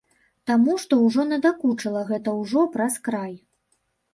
Таму што ўжо надакучыла, гэта ўжо праз край.